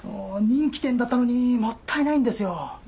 人気店だったのにもったいないんですよ。